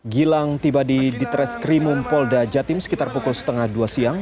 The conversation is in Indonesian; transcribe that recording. gilang tiba di ditres krimum polda jatim sekitar pukul setengah dua siang